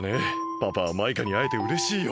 パパはマイカにあえてうれしいよ。